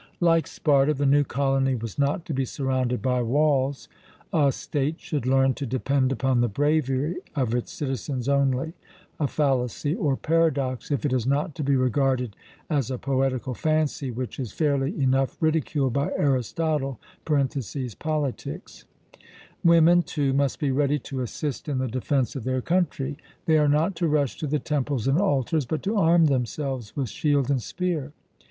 Like Sparta, the new colony was not to be surrounded by walls, a state should learn to depend upon the bravery of its citizens only a fallacy or paradox, if it is not to be regarded as a poetical fancy, which is fairly enough ridiculed by Aristotle (Pol.). Women, too, must be ready to assist in the defence of their country: they are not to rush to the temples and altars, but to arm themselves with shield and spear.